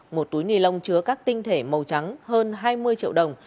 một túi ni lông chứa các tinh thể màu trắng hơn hai mươi triệu đồng